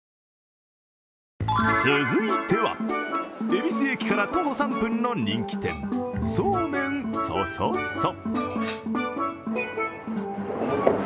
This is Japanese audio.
続いては、恵比寿駅から徒歩３分の人気店、そうめんそそそ。